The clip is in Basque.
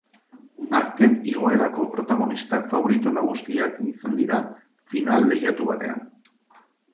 Azken igoerako protagonistak faborito nagusiak izan dira, final lehiatu batean.